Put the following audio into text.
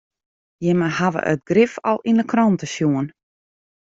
Jimme hawwe it grif al yn de krante sjoen.